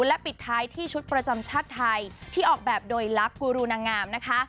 และปิดท้ายที่ชุดประจำชาติไทยที่ออกแบบโดยลักษ์กูรูนางงามนะคะ